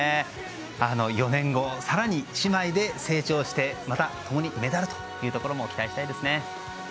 ４年後、更に姉妹で成長してまた、共にメダルというところも期待したいですね。